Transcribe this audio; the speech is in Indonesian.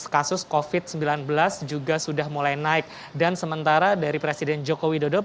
kasus covid sembilan belas juga sudah mulai naik dan sementara dari presiden joko widodo